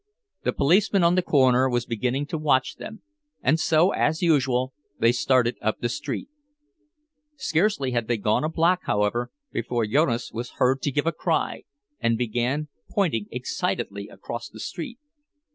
The policeman on the corner was beginning to watch them; and so, as usual, they started up the street. Scarcely had they gone a block, however, before Jonas was heard to give a cry, and began pointing excitedly across the street.